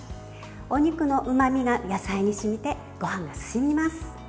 お肉のうまみが野菜に染みてごはんが進みます。